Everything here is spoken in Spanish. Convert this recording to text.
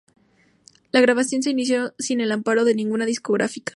La grabación se inició sin el amparo de ninguna discográfica.